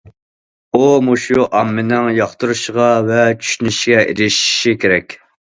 ئۇ مۇشۇ ئاممىنىڭ ياقتۇرۇشىغا ۋە چۈشىنىشىگە ئېرىشىشى كېرەك.